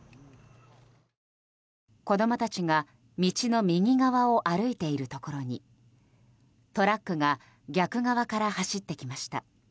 子供たちが道の右側を歩いているところにトラックが逆側から走ってきました。